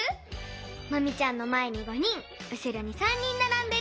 マミちゃんのまえに５人うしろに３人ならんでる。